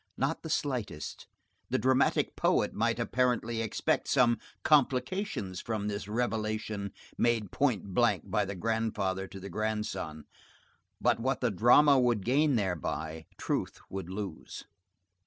Not the slightest. The dramatic poet might, apparently, expect some complications from this revelation made point blank by the grandfather to the grandson. But what the drama would gain thereby, truth would lose.